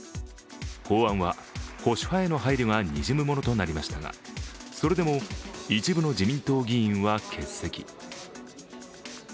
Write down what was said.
法案は保守派への配慮がにじむものとなりましたが、それでも一部の自民党議員は欠席。